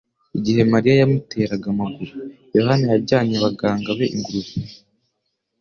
Igihe Mariya yamuteraga amaguru, Yohana yajyanye abaganga be ingurube